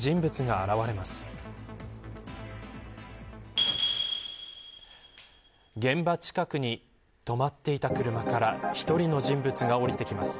現場近くに止まっていた車から１人の人物が降りてきます。